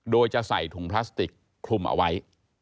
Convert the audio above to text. โดยจะใส่ถุงพลาสติกคลุมเอาไว้